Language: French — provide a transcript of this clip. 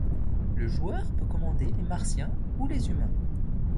Le joueur peut commander les martiens ou les humains.